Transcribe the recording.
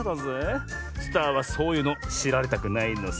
スターはそういうのしられたくないのさ！